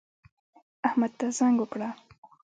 احمد ته زنګ وکړه